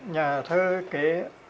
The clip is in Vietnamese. nhà thơ kể